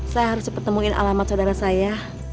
saya harus pertemuin alamat saudara saya